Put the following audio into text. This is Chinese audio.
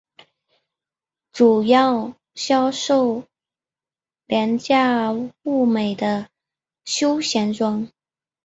主要销售价廉物美的休闲装。